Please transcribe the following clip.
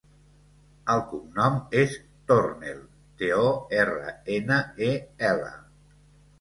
El cognom és Tornel: te, o, erra, ena, e, ela.